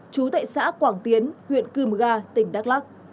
chú tệ xã quảng tiến huyện cưm gà tỉnh đắk lắc